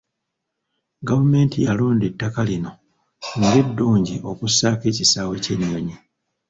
Gavumenti yalonda ettaka lino ng'eddungi okussaako ekisaawe ky'ennyonyi.